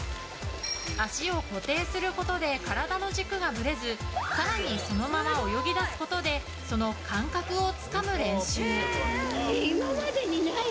足を固定することで体の軸がぶれず更にそのまま泳ぎ出すことでその感覚をつかむ練習。